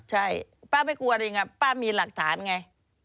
ใช่ป้าไม่กลัวจริงป้ามีหลักฐานไง